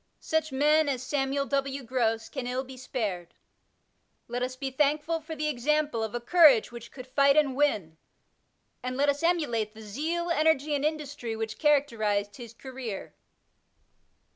Such men as Samuel W. Gross can ill be spared. Let us be thankful for the example of a courage which could fight and win ; and let us emulate the zeal, energy, and industry which characteruEed his career.